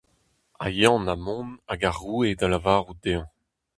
Ha Yann ha mont hag ar roue ha lavarout dezhañ :